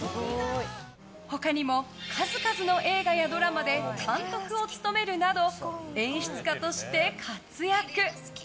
他にも数々の映画やドラマで監督を務めるなど演出家として活躍。